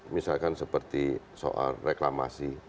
misalkan seperti soal reklamasi